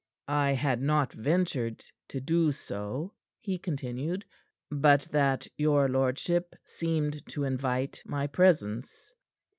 "I had not ventured to do so," he continued, "but that your lordship seemed to invite my presence."